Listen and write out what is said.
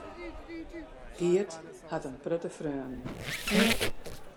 Geart hat in protte freonen.